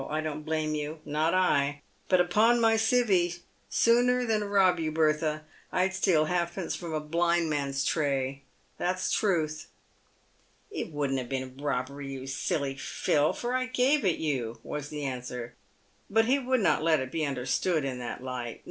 I don't blame you — not I ; but, upon my civy, sooner than rob you, Bertha, I'd steal halfpence from a blind man's tray — that's truth." "It wouldn't have been robbery, you silly Phil, for I gave it you," was the answer. But he would not let it be understood in that light.